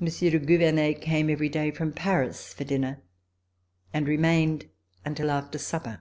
Monsieur de Gouvernet came every day from Paris for dinner and remained until after supper.